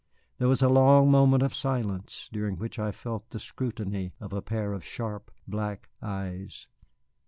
There was a long moment of silence, during which I felt the scrutiny of a pair of sharp, black eyes.